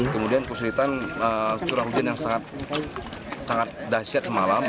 kemudian kesulitan curah hujan yang sangat dahsyat semalam